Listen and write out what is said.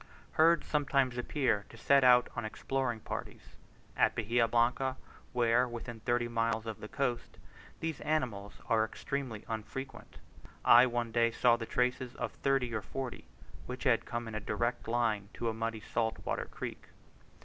Herds sometimes appear to set out on exploring parties: at Bahia Blanca, where, within thirty miles of the coast, these animals are extremely unfrequent, I one day saw the tracks of thirty or forty, which had come in a direct line to a muddy salt water creek.